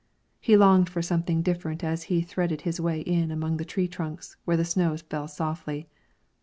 He longed for something different as he threaded his way in among the tree trunks, where the snow fell softly.